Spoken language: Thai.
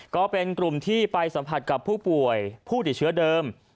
ก็เป็นกลุ่มที่ไปสัมผัสกับผู้ป่วยผู้ติดเชื้อเดิม